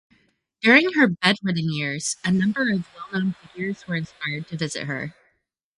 During her bedridden years, a number of well-known figures were inspired to visit her.